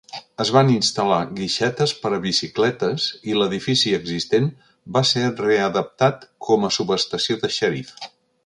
Es van instal·lar guixetes per a bicicletes i l'edifici existent va ser readaptat com a subestació de xèrif.